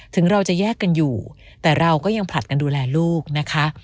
ถึงเราจะแยกกันอยู่แต่เราก็ยังผลัดกันดูแลลูกนะคะ